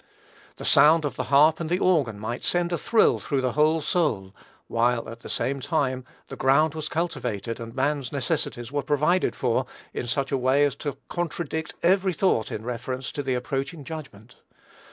The sound of the harp and the organ might send a thrill through the whole soul, while, at the same time, the ground was cultivated, and man's necessities were provided for in such a way as to contradict every thought in reference to approaching judgment.